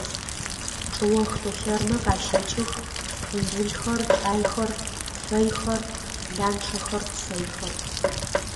Чӏыох шъолъырымэ къащэкӏых къумбылхэр, кӏайхэр, тфэйхэр, ланчъэхэр, псэйхэр.